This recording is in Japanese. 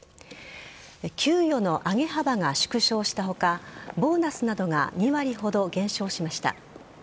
給与の上げ幅が縮小した他ボーナスなどが２割ほど減少しました。